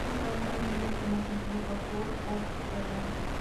En Reino Unido, el primer sencillo fue "Turn Up the Music".